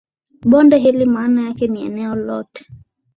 Bonde hili maana yake ni eneo lote